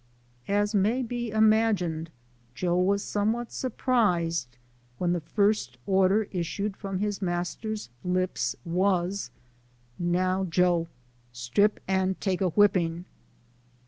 As may be imagined, Joe was somewhat surprised when the first order issued from his master's lips, was, " Now, Joe, strip and take a whipping